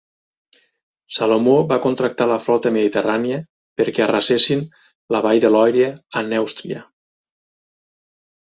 Salomó va contractar la flota mediterrània perquè arrasessin la vall de Loira a Nèustria.